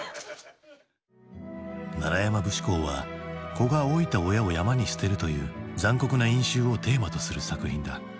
「山節考」は子が老いた親を山に捨てるという残酷な因習をテーマとする作品だ。